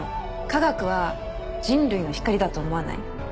科学は人類の光だと思わない？